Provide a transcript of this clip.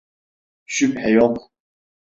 Şüphe yok.